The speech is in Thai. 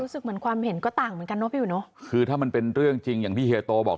รู้สึกเหมือนความเห็นก็ต่างเหมือนกันเนาะพี่อุ๋เนอะคือถ้ามันเป็นเรื่องจริงอย่างที่เฮียโตบอก